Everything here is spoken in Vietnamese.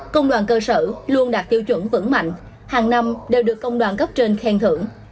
công đoàn cơ sở luôn đạt tiêu chuẩn vững mạnh hàng năm đều được công đoàn cấp trên khen thưởng